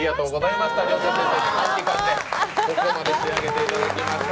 ここまで仕上げていただきました。